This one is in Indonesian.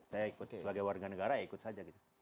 saya ikut sebagai warga negara ya ikut saja gitu